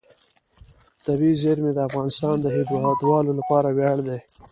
طبیعي زیرمې د افغانستان د هیوادوالو لپاره ویاړ دی.